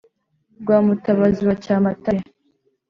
Rwa Mutabazi wa Cyamatare,